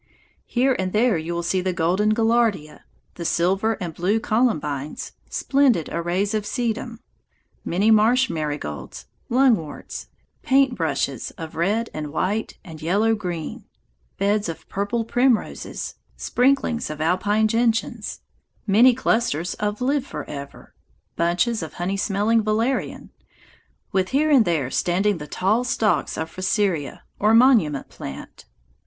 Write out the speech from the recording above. Here and there you will see the golden gaillardia, the silver and blue columbines, splendid arrays of sedum, many marsh marigolds, lungworts, paint brushes of red and white and yellow green, beds of purple primroses, sprinklings of alpine gentians, many clusters of live forever, bunches of honey smelling valerian, with here and there standing the tall stalks of fraseria, or monument plant.